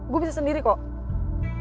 gue bisa sendiri kok